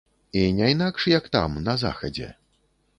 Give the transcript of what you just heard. І не інакш як там, на захадзе.